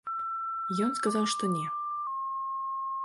Ён сказаў, што не.